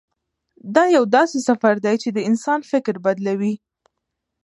دا یو داسې سفر دی چې د انسان فکر بدلوي.